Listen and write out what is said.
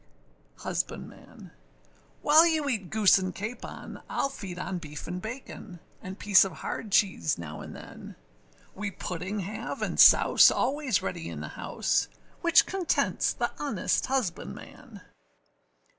HUSBANDMAN. While you eat goose and capon, Iâll feed on beef and bacon, And piece of hard cheese now and than; We pudding have, and souse, always ready in the house, Which contents the honest husbandman.